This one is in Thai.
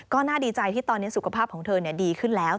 ก็น่าดีใจที่ตอนนี้สุขภาพของเธอดีขึ้นแล้ว